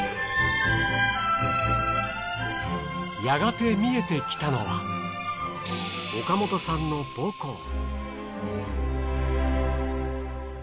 やがて見えてきたのは岡本さんの母校。